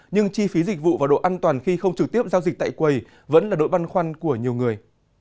nhưng chi phí dịch vụ và độ an toàn khi không trực tiếp giao dịch tại quầy vẫn là đội băn khoăn của nhiều người